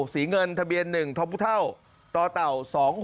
สีเงินทะเบียน๑ท้อมพุท่าวต่อเต่า๒๖๙๘